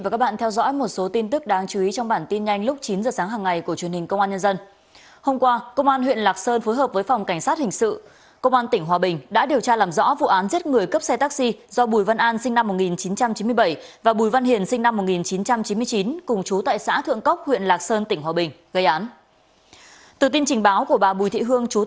cảm ơn các bạn đã theo dõi